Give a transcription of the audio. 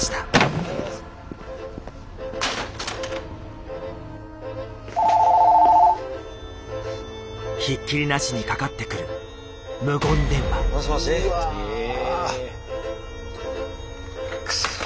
☎ひっきりなしにかかってくるもしもし？